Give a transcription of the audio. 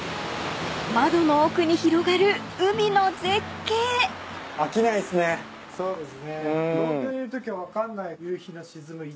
［窓の奥に広がる海の絶景］飽きないっすね。